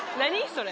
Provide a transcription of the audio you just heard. それ。